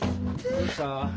どうした？